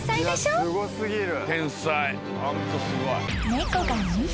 ［猫が２匹。